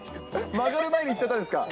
曲がる前にいっちゃったんですか。